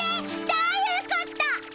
どういうこと。